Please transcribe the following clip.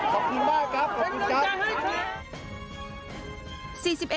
ขอบคุณมากครับขอบคุณครับ